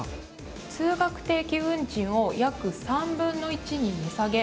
通学定期運賃を約３分の１に値下げ。